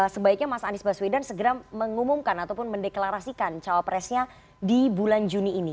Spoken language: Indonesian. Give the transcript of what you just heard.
sebaiknya mas anies baswedan segera mengumumkan ataupun mendeklarasikan cawapresnya di bulan juni ini